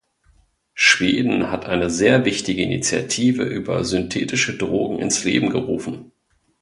Schweden hat eine sehr wichtige Initiative über synthetische Drogen ins Leben gerufen.